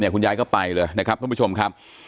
คุณยายก็ไปเลยนะครับท่านผู้ชมครับ